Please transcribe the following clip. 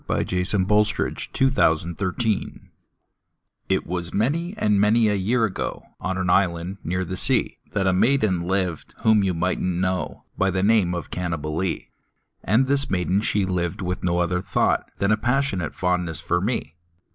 V^ Unknown, } 632 Parody A POE 'EM OF PASSION It was many and many a year ago, On an island near the sea, That a maiden lived whom you migbtnH know By the name of Cannibalee; And this maiden she lived with no other thought Than a passionate fondness for me.